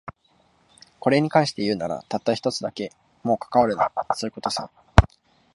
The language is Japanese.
これに関して言うなら、たった一つだけ。もう関わるな、そういう事さ。